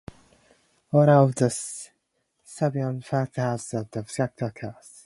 Order of the Serbian Flag has three classes.